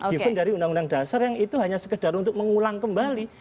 meskipun dari undang undang dasar yang itu hanya sekedar untuk mengulang kembali